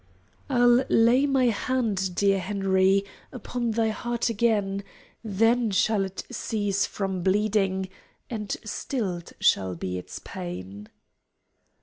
"I'll lay my hand, dear Henry, Upon thy heart again. Then shall it cease from bleeding. And stilled shall be its pain."